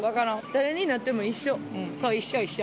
どれになっても一緒。